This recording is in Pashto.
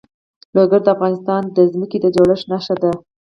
لوگر د افغانستان د ځمکې د جوړښت نښه ده.